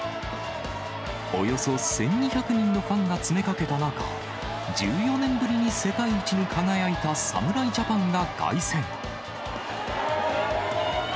およそ１２００人のファンが詰めかけた中、１４年ぶりに世界一に輝いた侍ジャパンが凱旋。